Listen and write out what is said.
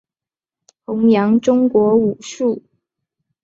宏杨中国武术。